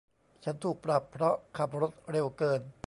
ฉันถูกปรับเพราะขับรถเร็วเกิน